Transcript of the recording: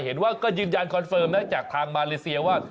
เห็นว่าก็ยืนยันคอนเฟิร์มนะจากทางมาเลเซียว่า